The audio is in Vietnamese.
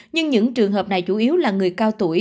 nhưng những trường hợp này chủ yếu là người cao tuổi